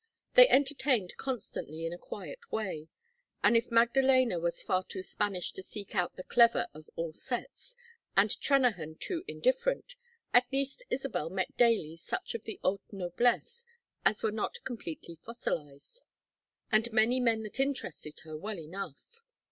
They entertained constantly in a quiet way, and if Magdaléna was far too Spanish to seek out the clever of all sets, and Trennahan too indifferent, at least Isabel met daily such of the haute noblesse as were not completely fossilized, and many men that interested her well enough.